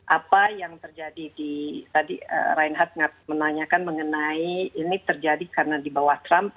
apa yang terjadi di tadi reinhardt menanyakan mengenai ini terjadi karena di bawah trump